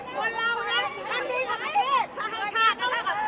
ต้องใจร่วม